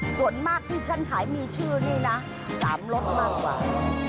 ส่วนมากที่ฉันขายมีชื่อนี่นะสามรสมันมีออกกว่า